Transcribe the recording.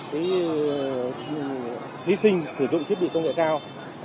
thí sinh sử dụng thiết bị công nghệ cao